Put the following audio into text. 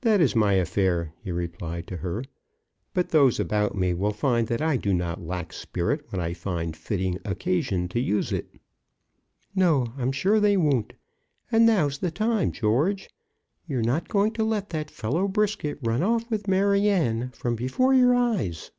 "That is my affair," he replied to her. "But those about me will find that I do not lack spirit when I find fitting occasion to use it." "No; I'm sure they won't. And now's the time, George. You're not going to let that fellow Brisket run off with Maryanne from before your eyes."